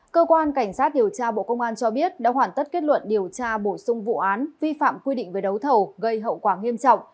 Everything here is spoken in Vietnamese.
cơ quan cảnh sát điều tra bộ công an cho biết đã hoàn tất kết luận điều tra bổ sung vụ án vi phạm quy định về đấu thầu gây hậu quả nghiêm trọng